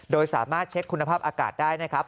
โดยสามารถเช็คคุณภาพอากาศได้นะครับ